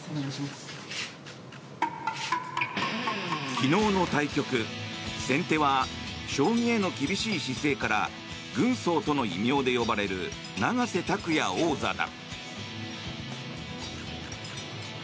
昨日の対局先手は将棋への厳しい姿勢から軍曹との異名で呼ばれる永瀬拓矢王座だ。